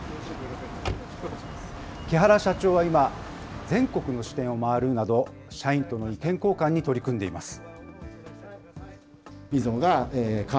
木原社長は今、全国の支店を回るなど、社員との意見交換に取り組んでいます。